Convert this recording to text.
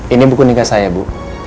ini buku nikah saya bu